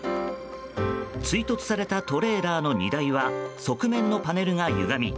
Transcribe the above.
追突されたトレーラーの荷台は側面のパネルがゆがみ